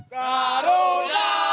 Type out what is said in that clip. garuda di dadaku